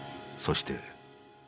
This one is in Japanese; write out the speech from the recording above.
そして。